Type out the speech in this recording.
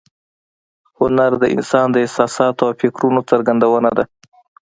هنر د انسان د احساساتو او فکرونو څرګندونه ده